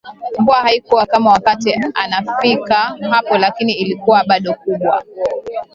Mvua haikuwa kama wakati anafika hapo lakini ilikuwa bado kubwa